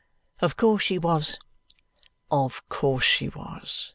"Of course she was." Of course she was.